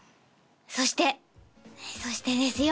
そしてそしてですよ